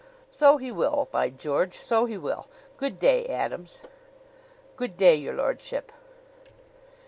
"So he will, by George! so he will! Good day, Adams." "Good day, your lordship."